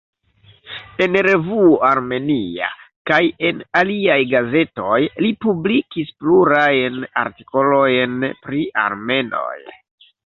En revuo "Armenia" kaj en aliaj gazetoj li publikis plurajn artikolojn pri armenoj.